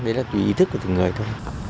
đấy là tùy ý thức của từng người thôi